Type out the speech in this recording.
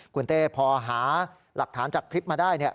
คุณเต้พอหาหลักฐานจากคลิปมาได้เนี่ย